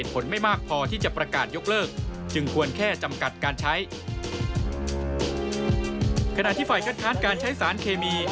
ขณะที่ฝ่ายคัดค้านการใช้สารเคมี